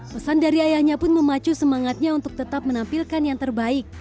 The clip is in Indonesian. pesan dari ayahnya pun memacu semangatnya untuk tetap menampilkan yang terbaik